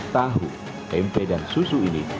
tahu tempe dan susu ini